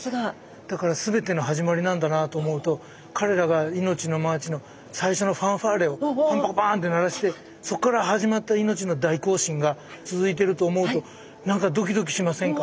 だから全ての始まりなんだなと思うと彼らが命のマーチの最初のファンファーレをパンパカパンって鳴らしてそっから始まった命の大行進が続いてると思うと何かドキドキしませんか？